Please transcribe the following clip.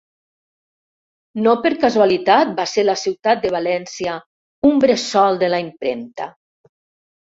No per casualitat va ser la ciutat de València un bressol de la impremta.